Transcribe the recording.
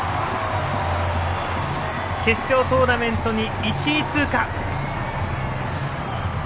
決勝トーナメントに１位通過！